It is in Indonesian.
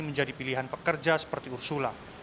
menjadi pilihan pekerja seperti ursula